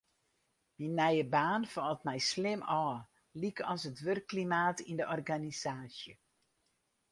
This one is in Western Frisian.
Myn nije baan falt my slim ôf, lykas it wurkklimaat yn de organisaasje.